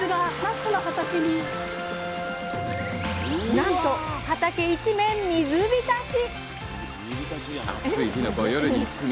なんと畑一面水びたし！